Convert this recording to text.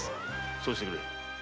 そうしてくれ。